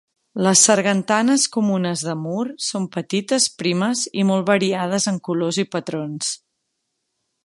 Les sargantanes comunes de mur són petites, primes i molt variades en colors i patrons.